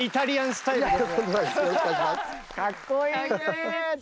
かっこいいね！